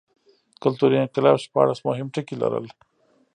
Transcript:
کلتوري انقلاب شپاړس مهم ټکي لرل.